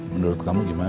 menurut kamu gimana